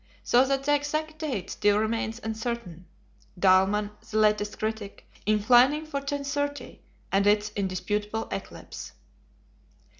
So that the exact date still remains uncertain; Dahlmann, the latest critic, inclining for 1030, and its indisputable eclipse.